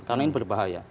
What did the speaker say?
karena ini berbahaya